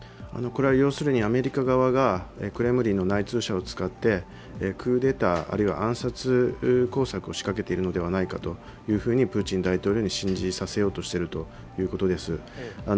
要するにアメリカ側がクレムリンの内通者を使ってクーデターあるいは暗殺工作を仕掛けているのではないかとプーチン大統領に信じさせようとしているということです。